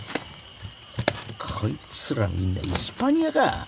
こいつらみんなイスパニアか！